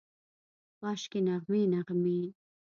کاشکي، نغمې، نغمې